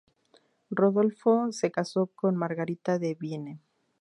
Rodolfo se casó con Margarita de Vienne.